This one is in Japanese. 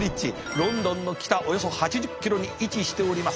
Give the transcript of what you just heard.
ロンドンの北およそ８０キロに位置しております。